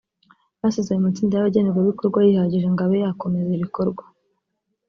basize ayo matsinda y’abagenerwabikorwa yihagije ngo abe yakomeza ibikorwa